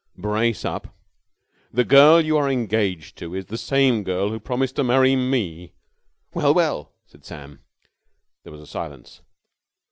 "Brace up!" "The girl you are engaged to is the same girl who promised to marry me." "Well, well!" said Sam. There was a silence.